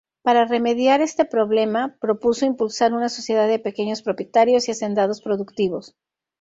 Para remediar este problema, propuso impulsar una sociedad de pequeños propietarios y hacendados productivos.